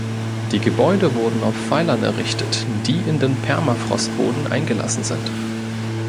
Die Gebäude wurden auf Pfeilern errichtet, die in den Permafrostboden eingelassen sind.